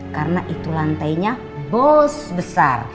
karena itu lantainya bos besar